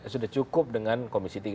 sudah cukup dengan komisi tiga